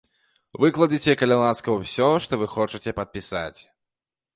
Выкладзіце калі ласка ўсё, што вы хочаце падпісаць.